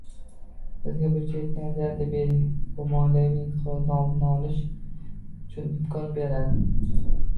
Bizga byudjetni ajratib bering, bu moliyaviy inqirozni oldini olish uchun imkon beradi